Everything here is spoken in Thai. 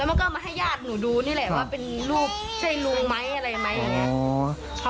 มันก็มาให้ญาติหนูดูนี่แหละว่าเป็นรูปใช่ลุงไหมอะไรไหมอย่างนี้